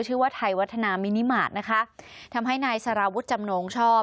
ชื่อว่าไทยวัฒนามินิมาตรนะคะทำให้นายสารวุฒิจำนงชอบ